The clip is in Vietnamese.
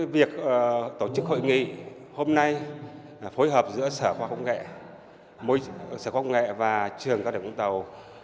việc tổ chức hội nghị hôm nay phối hợp giữa sở khoa học nghệ và trường cao đẳng vũng tàu